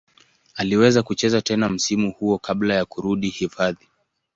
Aliweza kucheza tena msimu huo kabla ya kurudi hifadhi.